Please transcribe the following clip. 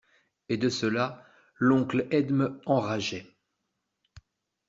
Et de cela, l'oncle Edme enrageait.